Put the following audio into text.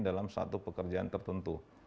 dalam satu pekerjaan tertentu